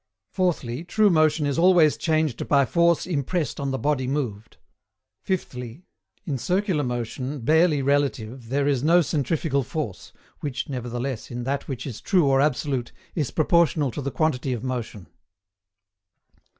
Fourthly, true motion is always changed by force impressed on the body moved. Fifthly, in circular motion barely relative there is no centrifugal force, which, nevertheless, in that which is true or absolute, is proportional to the quantity of motion.